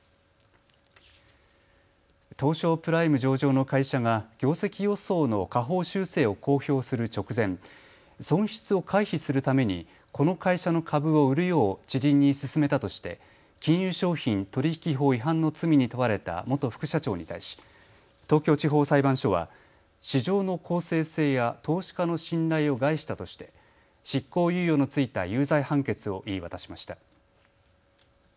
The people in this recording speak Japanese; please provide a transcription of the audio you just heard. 東証プライム上場の会社が業績予想の下方修正を公表する直前、損失を回避するためにこの会社の株を売るよう知人に勧めたとして金融商品取引法違反の罪に問われた元副社長に対し東京地方裁判所は市場の公正性や投資家の信頼を害したとして執行猶予の付いた有罪判決を言い渡しました。